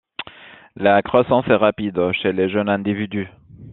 La croissance est rapide chez les jeunes individus.